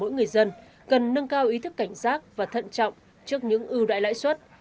mỗi người dân cần nâng cao ý thức cảnh giác và thận trọng trước những ưu đại lãi suất